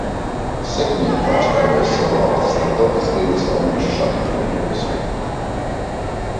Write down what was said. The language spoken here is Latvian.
Sekmīgi pārstāvējusi savu valsti starptautiskajos jauniešu šaha turnīros.